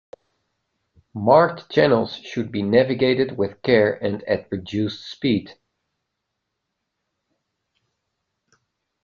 Marked channels should be navigated with care and at reduced speed.